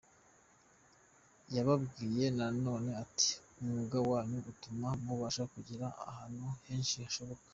Yababwiye na none ati :"Umwuga wanyu utuma mubasha kugera ahantu henshi hashoboka.